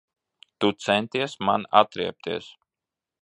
Tu centies man atriebties.